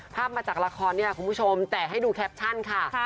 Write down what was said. ภาพมาจากละครเนี่ยคุณผู้ชมแต่ให้ดูแคปชั่นค่ะ